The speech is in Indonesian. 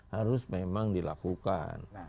harus memang dilakukan